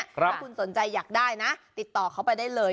ถ้าคุณสนใจอยากได้นะติดต่อเขาไปได้เลย